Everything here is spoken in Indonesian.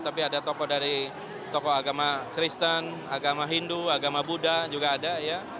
tapi ada tokoh dari tokoh agama kristen agama hindu agama buddha juga ada ya